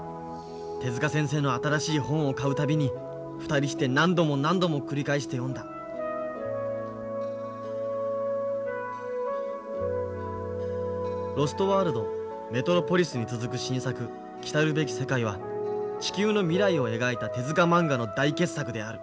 手先生の新しい本を買う度に２人して何度も何度も繰り返して読んだ「ロストワールド」「メトロポリス」に続く新作「来るべき世界」は地球の未来を描いた手まんがの大傑作である。